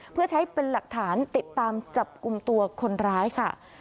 เพื่อใช้เป็นหลักฐานติดตามจับกลุ่มตัวคนร้ายค่ะ